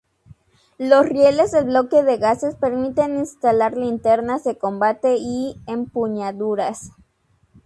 Los rieles del bloque de gases permiten instalar linternas de combate y empuñaduras.